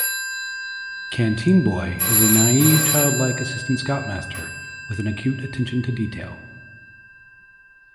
Canteen Boy is a naive, childlike assistant scoutmaster with an acute attention to detail.